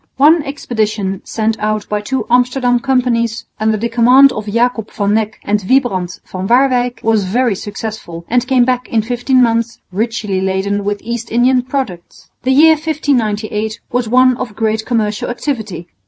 One expedition sent out by two Amsterdam companies under the command of Jacob van Neck and Wybrand van Waerwyck was very successful and came back in fifteen months richly laden with East Indian products. The year 1598 was one of great commercial activity.